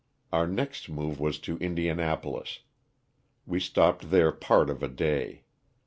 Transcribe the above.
Our next move was to Indianapolis. We stopped there part of a day.